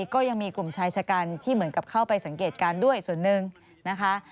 ก็ยังมีกลุ่มชายชะกันที่เหมือนกับเข้าไปสังเกตการณ์ด้วยส่วนหนึ่งนะคะ